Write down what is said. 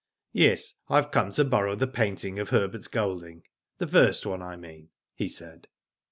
*'Yes. I have come to borrow the painting of Herbert Golding ; the first one I mean," he said.